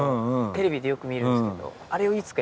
テレビでよく見るんですけどあれを。